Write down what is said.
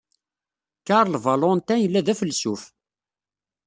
Karl Valentin yella d afelsuf.